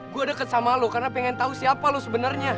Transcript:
gue deket sama lo karena pengen tahu siapa lo sebenarnya